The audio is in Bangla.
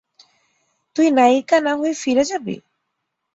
তুই নায়িকা না হয়ে ফিরে যাবি?